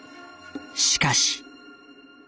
しかし。